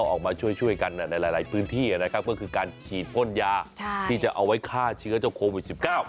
ออกมาช่วยกันในหลายพื้นที่นะครับก็คือการฉีดพ่นยาที่จะเอาไว้ฆ่าเชื้อเจ้าโควิด๑๙